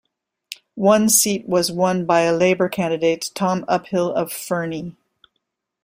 One seat was won by a Labour candidate, Tom Uphill of Fernie.